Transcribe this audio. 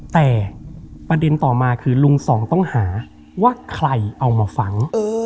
แต่ประเด็นต่อมาคือลุงสองต้องหาว่าใครเอามาฝัง